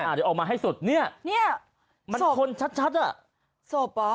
อ่ะเดี๋ยวออกมาให้สุดเนี้ยเนี้ยมันคนชัดอ่ะศพอ่ะ